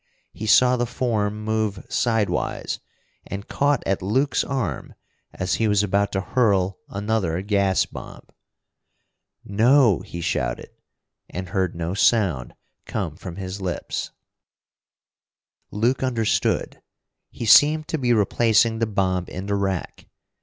He saw the form move sidewise, and caught at Luke's arm as he was about to hurl another gas bomb. "No!" he shouted and heard no sound come from his lips. Luke understood. He seemed to be replacing the bomb in the rack.